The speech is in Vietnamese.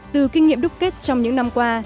từ kinh nghiệm đúc kết trong những năm qua